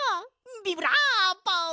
ビブラーボ！